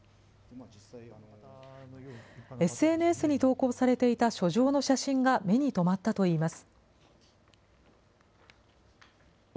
ＳＮＳに投稿されていた書状の写真が目にとまったといいます。